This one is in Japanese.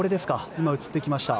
今、映ってきました。